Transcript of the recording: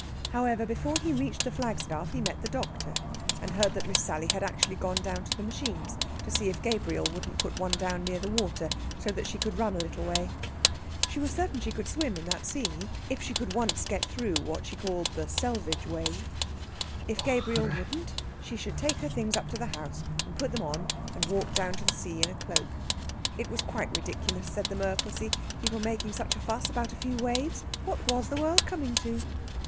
However, before he reached the flagstaff he met the doctor, and heard that Miss Sally had actually gone down to the machines to see if Gabriel wouldn't put one down near the water, so that she could run a little way. She was certain she could swim in that sea if she could once get through what she called the selvage wave. If Gabriel wouldn't, she should take her things up to the house and put them on and walk down to the sea in a cloak. It was quite ridiculous, said the merpussy, people making such a fuss about a few waves. What was the world coming to?